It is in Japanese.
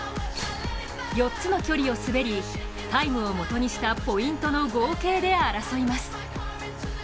４つの距離を滑り、タイムをもとにしたポイントの合計で争います。